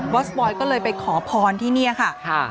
บอสบอยข์ก็เลยไปขอพอนที่เนี่ยค่ะ